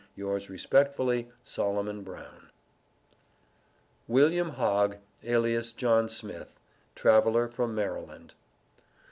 Yours Respectfully, SOLOMON BROWN. WILLIAM HOGG, ALIAS JOHN SMITH. TRAVELER FROM MARYLAND.